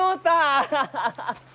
アハハハ！